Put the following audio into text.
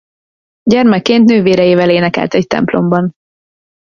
Gyermekként nővéreivel énekelt egy templomban.